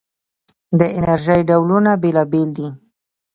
د انرژۍ ډولونه بېلابېل دي.